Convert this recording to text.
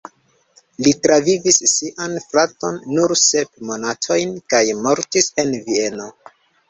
Li travivis sian fraton nur sep monatojn kaj mortis en Vieno.